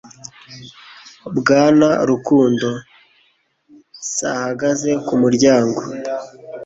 Bwana rukundo s ahagaze kumuryango